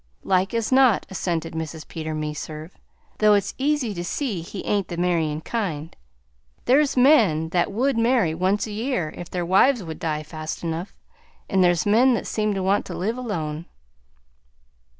"Like as not," assented Mrs. Peter Meserve, "though it's easy to see he ain't the marryin' kind. There's men that would marry once a year if their wives would die fast enough, and there's men that seems to want to live alone."